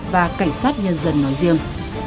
và cảnh sát nhân dân nói riêng